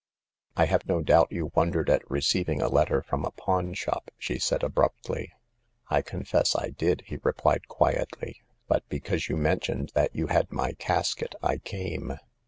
" I have no doubt you wondered at receiving a letter from a pawn shop," she said, abruptly. I confess I did," he replied, quietly :" but because you mentioned that you had my casket I came.